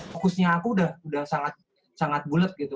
fokusnya aku udah sangat bulet gitu